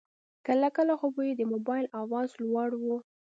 کله کله خو به یې د موبایل آواز لوړ و.